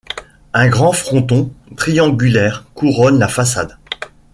Un grand fronton triangulaire couronne la façade.